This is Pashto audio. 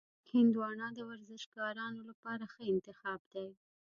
هندوانه د ورزشکارانو لپاره ښه انتخاب دی.